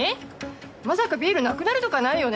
まさかビールなくなるとかないよね？